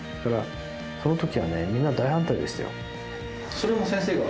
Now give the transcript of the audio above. それも先生が？